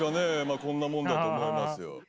こんなもんだと思いますよ。